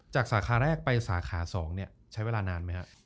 จากสาขาแรกไปสาขา๒เนี่ยใช้เวลานานไหมครับ